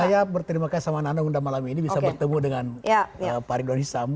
saya berterima kasih sama nana undang malam ini bisa bertemu dengan pak ridwan hisam